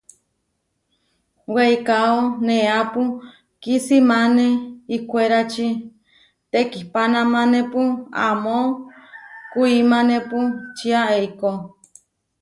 Weikáo neéapu kisimané ihkwérači, tekihpanamanépu amó kuimanépu čia eikó.